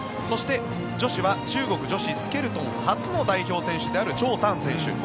そして女子は中国女子スケルトン初の代表選手であるチョウ・タン選手。